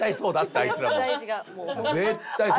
「あいつら」。